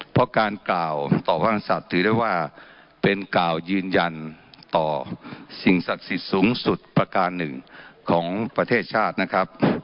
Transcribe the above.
เพราะการกล่าวต่อพระมศัตริย์ถือได้ว่าเป็นกล่าวยืนยันต่อสิ่งศักดิ์สิทธิ์สูงสุดประการหนึ่งของประเทศชาตินะครับ